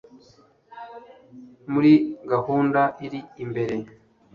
muri gahunda iri imbere